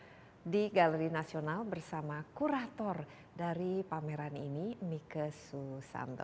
saya sudah berada di galeri nasional bersama kurator dari pameran ini mika susanto